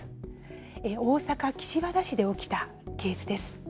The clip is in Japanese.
大阪・岸和田市で起きたケースです。